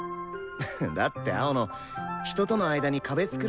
だって青野人との間に壁作るタイプじゃん？